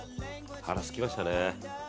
腹すきましたね。